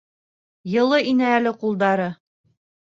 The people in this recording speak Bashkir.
Йылы ине әле ҡулдары.